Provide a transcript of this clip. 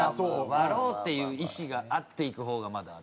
割ろうっていう意思があっていく方がまだっていう。